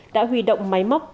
đã huy động máy móc